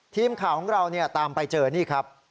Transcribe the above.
ทีมข่าวของเราตามไปเจอนี่ครับ